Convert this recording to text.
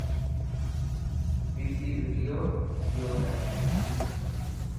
بي پي وڌي گيو هي.